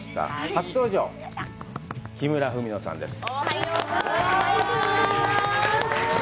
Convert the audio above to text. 初登場、木村文乃さんです。